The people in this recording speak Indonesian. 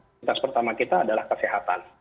prioritas pertama kita adalah kesehatan